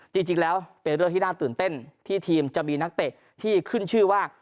จริงแล้วเป็นเรื่องที่น่าตื่นเต้นที่ทีมจะมีนักเตะที่ขึ้นชื่อว่า